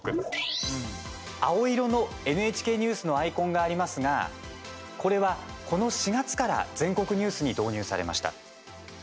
青色のＮＨＫＮＥＷＳのアイコンがありますがこれは、この４月から全国ニュースに導入されました。